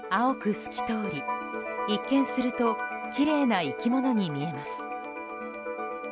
透き通り、一見するときれいな生き物に見えます。